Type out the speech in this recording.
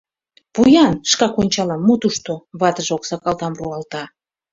— Пу-ян, шкак ончалам, мо тушто, — ватыже оксагалтам руалта.